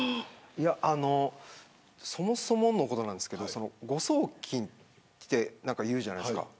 あのそもそものことなんですけど誤送金というじゃないですか。